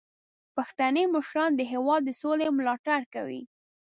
پښتني مشران د هیواد د سولې ملاتړ کوي.